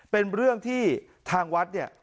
เป็นเรื่องที่ทางวัดเนี่ย